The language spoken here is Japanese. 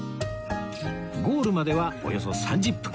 ゴールまではおよそ３０分